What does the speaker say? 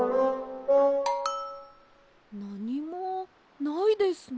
なにもないですね。